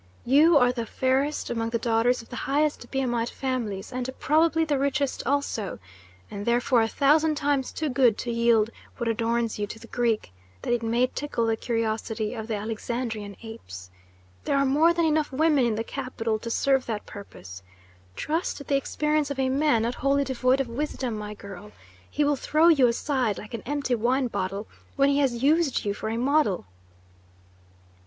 You are the fairest among the daughters of the highest Biamite families, and probably the richest also, and therefore a thousand times too good to yield what adorns you to the Greek, that it may tickle the curiosity of the Alexandrian apes. There are more than enough women in the capital to serve that purpose. Trust the experience of a man not wholly devoid of wisdom, my girl. He will throw you aside like an empty wine bottle when he has used you for a model."